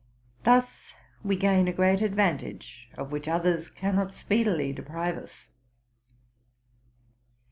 Thus we gain a great advantage, of which others cannot speedily deprive us.